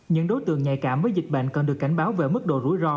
những đối tượng nhạy cảm với dịch bệnh cần được cảnh báo về mức độ rủi ro